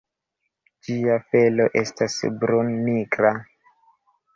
Ĝia felo estas brun-nigra.